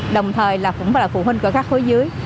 đồng thời là cũng phải là phụ huynh của các khối dưới